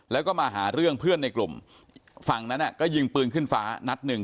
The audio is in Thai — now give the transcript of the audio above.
แล้วก็มาหาเรื่องเพื่อนในกลุ่มฝั่งนั้นก็ยิงปืนขึ้นฟ้านัดหนึ่ง